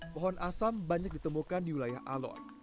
pohon asam banyak ditemukan di wilayah alor